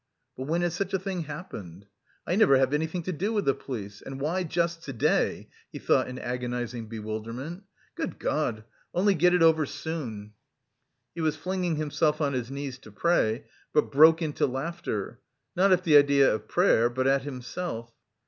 "But when has such a thing happened? I never have anything to do with the police! And why just to day?" he thought in agonising bewilderment. "Good God, only get it over soon!" He was flinging himself on his knees to pray, but broke into laughter not at the idea of prayer, but at himself.